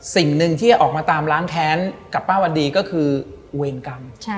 สิ่งหนึ่งที่จะออกมาตามล้างแค้นกับป้าวันดีก็คือเวรกรรม